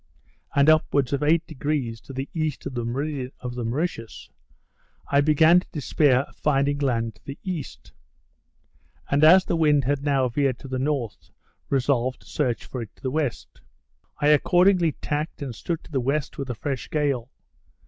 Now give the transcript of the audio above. and upwards of 8° to the east of the meridian of the Mauritius, I began to despair of finding land to the east; and as the wind had now veered to the north, resolved to search for it to the west. I accordingly tacked and stood to the west with a fresh gale.